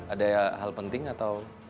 ada hal penting atau